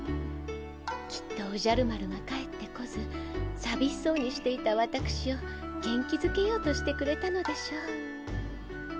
きっとおじゃる丸が帰ってこずさびしそうにしていたわたくしを元気づけようとしてくれたのでしょう。